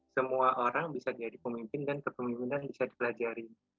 semua orang bisa jadi pemimpin dan kepemimpinan bisa dipelajari